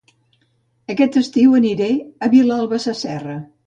Aquest estiu aniré a Vilalba Sasserra